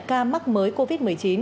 ca mắc mới covid một mươi chín